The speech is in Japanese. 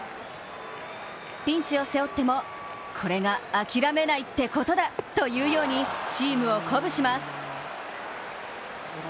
ピンチを背負ってもこれが諦めないってことだと言うようにチームを鼓舞します。